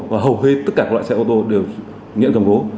và hầu hết tất cả các loại xe ô tô đều nhận cầm cố